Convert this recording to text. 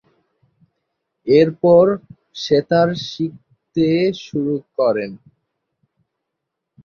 এরপর সেতার শিখতে শুরু করেন।